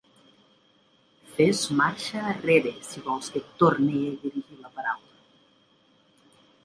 Fes marxa arrere si vols que et torne a dirigir la paraula.